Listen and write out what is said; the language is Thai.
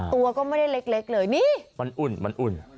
ตัวก็ไม่ได้เล็กเลยนี่มันอุ่นมันอุ่น